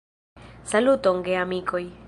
Saluton, geamikoj!